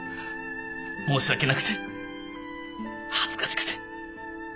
申し訳なくて恥ずかしくて。